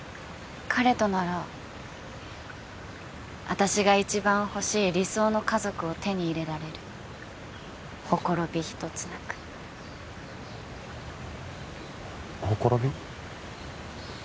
彼となら私が一番ほしい理想の家族を手に入れられるほころび一つなくほころび？